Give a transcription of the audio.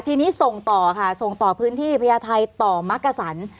ทีนี้ส่งต่อค่ะส่งต่อพื้นที่พญาไทยต่อมักกะสัน